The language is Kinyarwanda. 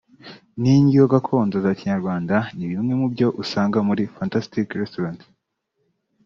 n’indyo gakondo za Kinyarwanda ni bimwe mu byo usanga muri Fantastic restaurant